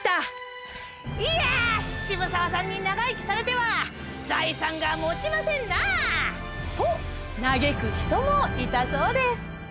『いや渋沢さんに長生きされては財産がもちませんなあ』と嘆く人もいたそうです」。